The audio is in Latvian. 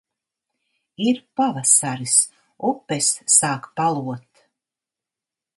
Ir pavasaris. Upes sāk palot.